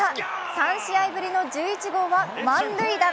３試合ぶりの１１号は満塁打。